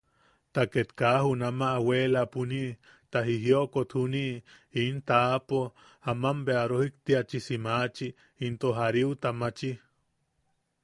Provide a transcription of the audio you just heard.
Ta ket kaa junama weelapuniʼi, ta jijiokot juni in a taʼapo, aman bea rojiktiachisi maachi, into jariuta maachi.